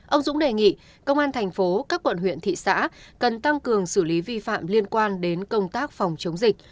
ông dũng đề nghị công an thành phố các quận huyện thị xã cần tăng cường xử lý vi phạm liên quan đến công tác phòng chống dịch